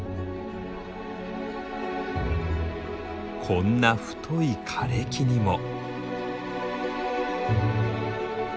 こんな太い枯れ木にも。